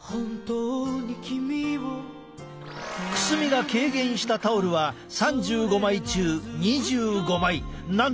くすみが軽減したタオルは３５枚中２５枚。